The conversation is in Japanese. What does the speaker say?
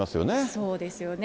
そうですよね。